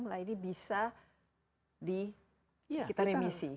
nah ini bisa kita remisi